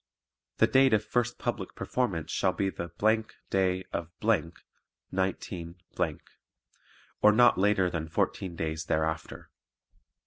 The date of first public performance shall be the day of , 19 , or not later than fourteen days thereafter.